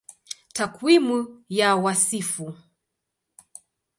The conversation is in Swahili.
Takwimu ya Wasifu